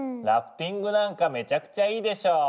ラフティングなんかめちゃくちゃいいでしょ。